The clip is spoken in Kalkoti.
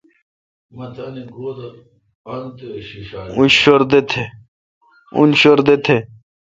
اون شردہ تھ۔